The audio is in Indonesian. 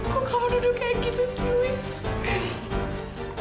kok kamu nuduh kayak gitu sih weng